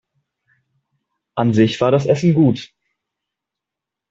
An sich war das Essen gut.